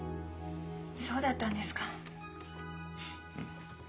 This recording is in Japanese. そうだったんですか。